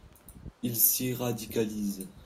Il s'y radicalise.